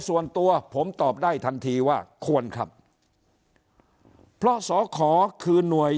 ส่วนตัวผมตอบได้ทันทีว่าควรครับเพราะสอขอคือหน่วย